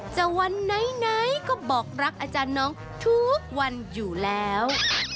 วันไหนก็บอกรักอาจารย์น้องทุกวันอยู่แล้ว